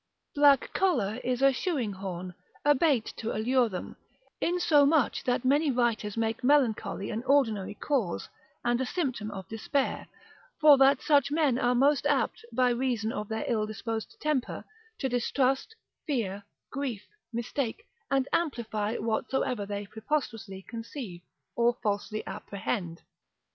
Black choler is a shoeing horn, a bait to allure them, insomuch that many writers make melancholy an ordinary cause, and a symptom of despair, for that such men are most apt, by reason of their ill disposed temper, to distrust, fear, grief, mistake, and amplify whatsoever they preposterously conceive, or falsely apprehend.